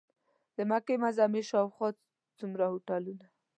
د مکې معظمې شاوخوا څومره هوټلونه.